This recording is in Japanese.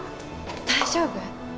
大丈夫！？